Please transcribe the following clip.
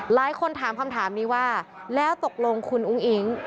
หลายคนถามคำถามนี้ว่าแล้วตกลงคุณอุ้งอิ๊ง